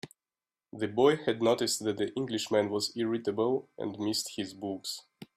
The boy had noticed that the Englishman was irritable, and missed his books.